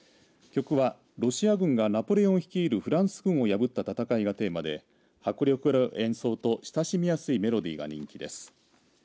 曲はロシア軍がナポレオン率いるフランス軍を打ち破った戦いがテーマで迫力ある演奏と親しみやすいメロディーが人気です。